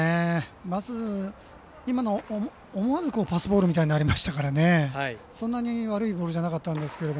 まず今の思わぬパスボールみたいになりましたからそんなに悪いボールじゃなかったんですけど